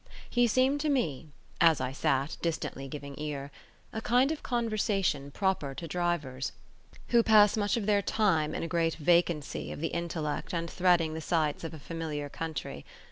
His seemed to me (as I sat, distantly giving ear) a kind of conversation proper to drivers, who pass much of their time in a great vacancy of the intellect and threading the sights of a familiar country.